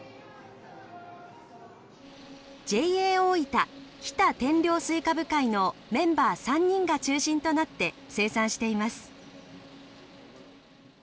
ＪＡおおいた日田天領西瓜部会のメンバー３人が中心となって生産しています。